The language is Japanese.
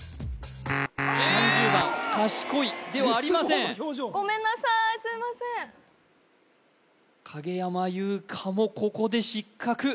３０番かしこいではありません絶望の表情ごめんなさいすいません影山優佳もここで失格